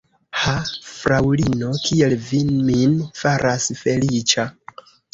Ha, fraŭlino, kiel vi min faras feliĉa!